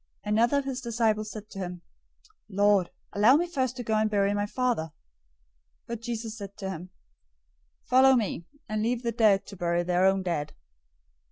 008:021 Another of his disciples said to him, "Lord, allow me first to go and bury my father." 008:022 But Jesus said to him, "Follow me, and leave the dead to bury their own dead."